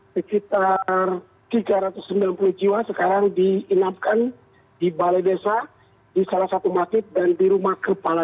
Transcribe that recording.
sekitar tiga ratus sembilan puluh jiwa sekarang diinapkan di balai desa di salah satu masjid dan di rumah kepala